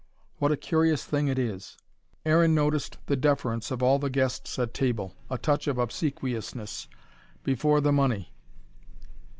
What a curious thing it is! Aaron noticed the deference of all the guests at table: a touch of obsequiousness: before the money!